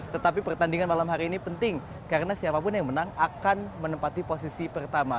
tetapi pertandingan malam hari ini penting karena siapapun yang menang akan menempati posisi pertama